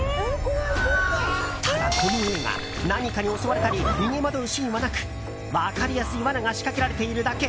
ただ、この映画何かに襲われたり逃げ惑うシーンはなく分かりやすい罠が仕掛けられているだけ。